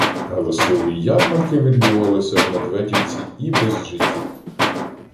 Галасливі ярмарки відбувалися в Медведівці і без жидів.